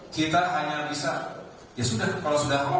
kita hanya bisa ya sudah kalau sudah